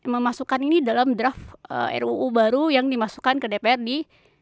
memasukkan ini dalam draft ruu baru yang dimasukkan ke dprd